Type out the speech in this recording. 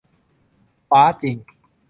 ฟ้าจริง